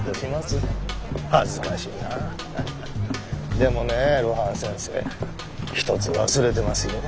でもね露伴先生一つ忘れてますよ。